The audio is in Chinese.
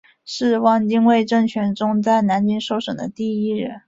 是汪精卫政权中在南京受审的第一个人。